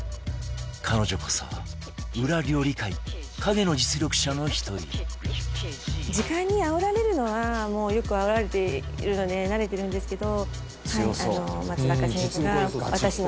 彼女こそ裏料理界影の実力者の１人時間にあおられるのはもうよくあおられているので慣れてるんですけど。